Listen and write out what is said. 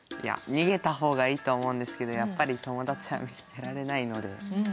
逃げた方がいいと思うんですけどやっぱり友達は見捨てられないので。